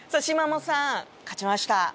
しまもさん勝ちました。